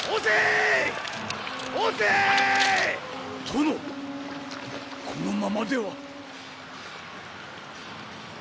殿このままでは。